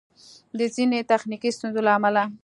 د ځیني تخنیکي ستونزو له امله